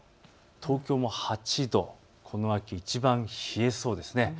東京も８度、この秋いちばん冷えそうです。